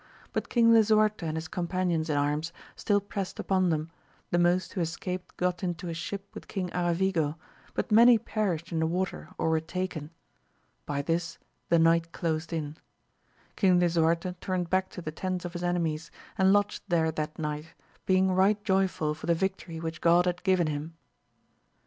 But King Idsuarte and his companions in arms, still pressed upon them ; the most who escaped got into a ship with King Aravigo, but many perished in the water orl were taken. By this the night closed in. King Lisuarte turned back to the tents of his enemies, and lodged there that night, being right joyful for the victory which God had given him.